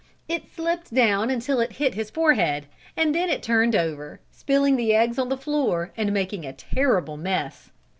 It slipped down until it hit his forehead and then it turned over, spilling the eggs on the floor and making a terrible mess.